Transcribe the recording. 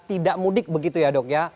tidak mudik begitu ya dok ya